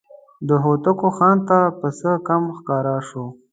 د هوتکو خان ته پسه کم ښکاره شو.